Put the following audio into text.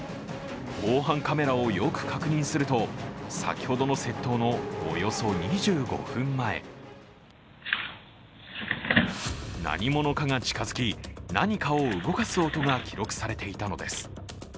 防犯カメラをよく確認すると、先ほどの窃盗のおよそ２５分前何者かが近づき、何かを動かす音が記録されていたのです。